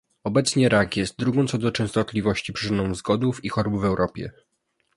Obecnie rak jest drugą co do częstotliwości przyczyną zgonów i chorób w Europie